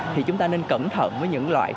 thì chúng ta nên cẩn thận với những loại